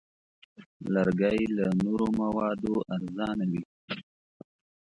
لرګی له نورو موادو ارزانه وي.